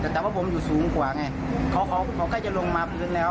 แต่ว่าผมอยู่สูงกว่าไงเขาเขาใกล้จะลงมาพื้นแล้ว